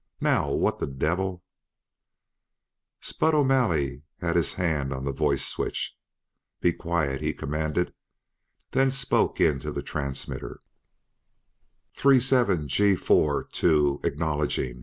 Now what the devil " Spud O'Malley had his hand on the voice switch. "Be quiet!" he commanded; then spoke into the transmitter "Three seven G four two acknowledging!"